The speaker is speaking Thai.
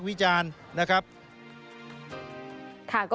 ส่วนต่างกระโบนการ